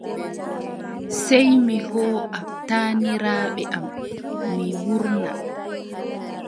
Sey mi hooʼa taaniraaɓe am, mi wuurna.